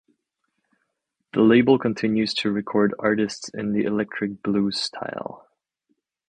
The label continues to record artists in the electric blues style.